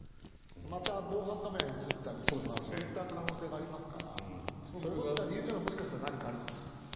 防犯カメラに映ったりとかそういった可能性がありますから戻った理由は、もしかしたら何かあるかもしれません。